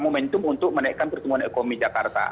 momentum untuk menaikkan pertumbuhan ekonomi jakarta